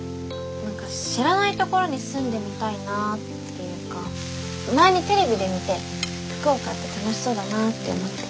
何か知らないところに住んでみたいなっていうか前にテレビで見て福岡って楽しそうだなって思って。